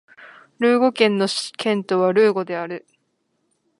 ルーゴ県の県都はルーゴである